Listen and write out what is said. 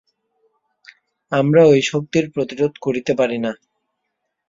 আমরা ঐ শক্তির প্রতিরোধ করিতে পারি না।